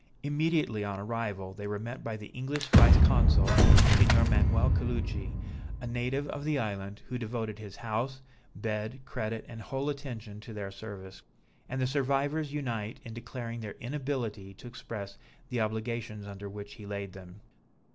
Immediately on arrival, they were met by the English vice consul, Signor Manuel Caluci, a native of the island, who devoted his house, bed, credit and whole attention to their service; and the survivors unite in declaring their inability to express the obligations under which he laid them.